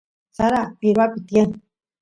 sara pirwapi tiyan